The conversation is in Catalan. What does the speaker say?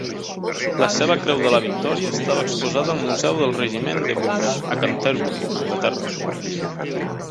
La seva Creu de la Victòria estava exposada al Museu del Regiment de Buffs, a Canterbury, Anglaterra.